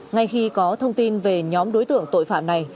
ngay khi có thông tin về nhóm đối tượng tội phạm này